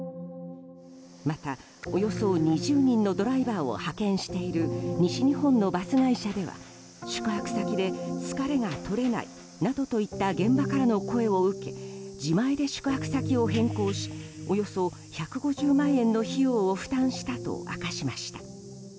また、およそ２０人のドライバーを派遣している西日本のバス会社では宿泊先で疲れがとれないなどといった現場からの声を受け自前で宿泊先を変更しおよそ１５０万円の費用を負担したと明かしました。